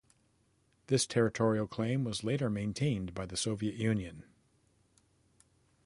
This territorial claim was later maintained by the Soviet Union.